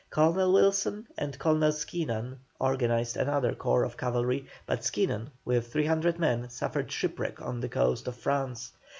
Colonel Wilson and Colonel Skeenen organized another corps of cavalry, but Skeenen with 300 men suffered shipwreck on the coast of France.